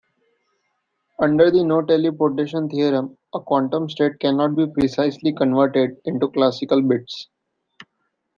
Under the no-teleportation theorem, a quantum state cannot be precisely converted into classical bits.